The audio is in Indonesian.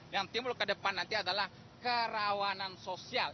yang timbul ke depan nanti adalah kerawanan sosial